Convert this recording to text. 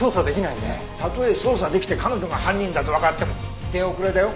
たとえ捜査できて彼女が犯人だとわかっても手遅れだよ。